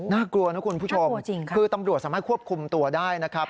กลัวนะคุณผู้ชมคือตำรวจสามารถควบคุมตัวได้นะครับ